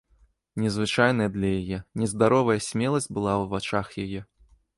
Незвычайная для яе, нездаровая смеласць была ў вачах яе.